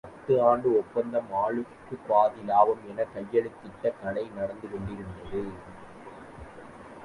பத்து ஆண்டு ஒப்பந்தம் ஆளுக்குப் பாதி லாபம் எனக் கையெழுத்திட்டு—கடை நடந்து கொண்டிருக்கிறது.